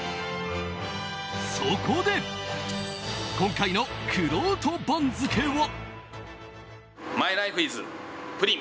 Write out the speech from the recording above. そこで今回のくろうと番付は。